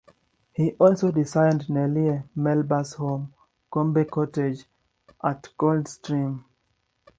He also designed Nellie Melba's home, Coombe Cottage, at Coldstream.